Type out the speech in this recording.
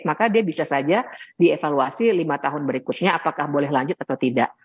maka dia bisa saja dievaluasi lima tahun berikutnya apakah boleh lanjut atau tidak